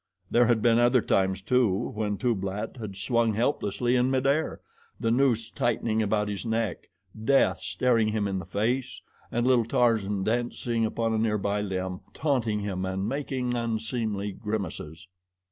There had been other times, too, when Tublat had swung helplessly in midair, the noose tightening about his neck, death staring him in the face, and little Tarzan dancing upon a near by limb, taunting him and making unseemly grimaces.